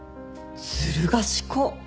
ずる賢っ。